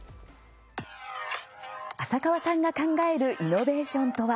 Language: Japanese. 浅川さんが考えるイノベーションとは？